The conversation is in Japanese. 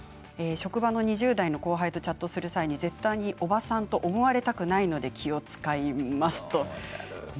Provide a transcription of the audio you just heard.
職場の２０代の後輩とチャットする際、絶対におばさんと思われたくないので気を遣います。